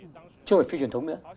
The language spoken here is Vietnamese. chứ không phải phi truyền thống nữa